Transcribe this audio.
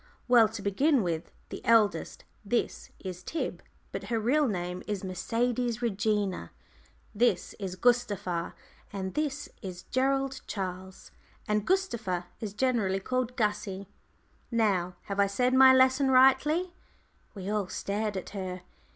"Well, to begin with, the eldest. This is Tib but her real name is Mercedes Regina; this is Gustava; and this is Gerald Charles. And Gustava is generally called 'Gussie.' Now, have I said my lesson rightly?" We all stared at her.